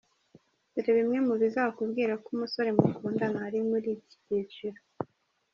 Dore bimwe mu bizakubwira ko umusore mukundana ari muri iki cyiciro:.